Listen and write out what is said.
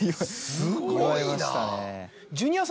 すごいな！